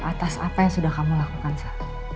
atas apa yang sudah kamu lakukan sal